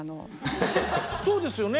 そうですよね